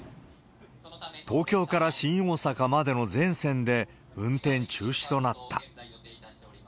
東京から新大阪までの全線で運転中止となった。